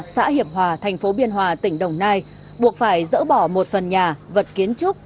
xã hiệp hòa thành phố biên hòa tỉnh đồng nai buộc phải dỡ bỏ một phần nhà vật kiến trúc